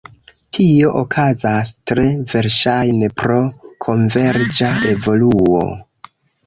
Tio okazas tre verŝajne pro konverĝa evoluo.